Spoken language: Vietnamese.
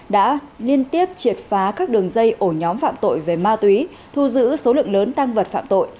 đã liên tiếp triệt phá các đường dây ổ nhóm phạm tội về ma túy thu giữ số lượng lớn tăng vật phạm tội